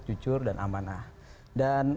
jujur dan amanah dan